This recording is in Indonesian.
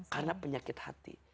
karena penyakit hati